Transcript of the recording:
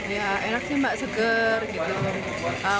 ya enak sih mbak seger gitu